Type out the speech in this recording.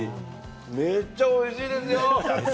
めっちゃおいしいですよ。